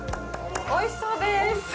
おいしそうです。